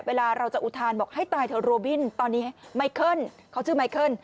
เวลาเราจะอุทานบอกให้ตายเถอะโรบินตอนนี้ไมเคิลเขาชื่อไมเคิล